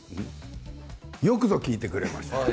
よくぞ聞いてくれました。